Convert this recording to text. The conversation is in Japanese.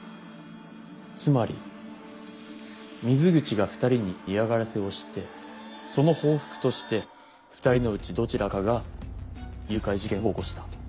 つまり水口が２人に嫌がらせをしてその報復として２人のうちどちらかが誘拐事件を起こした。